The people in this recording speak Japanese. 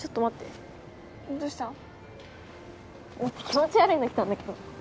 なんか気持ち悪いの来たんだけど。